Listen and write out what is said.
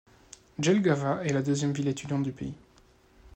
Jelgava est la deuxième ville étudiante du pays.